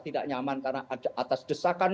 tidak nyaman karena ada atas desakan